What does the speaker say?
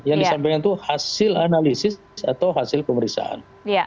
yang disampaikan itu hasil analisis atau hasil pemeriksaan